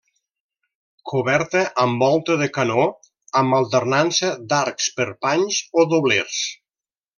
Coberta amb volta de canó amb alternança d'arcs perpanys o doblers.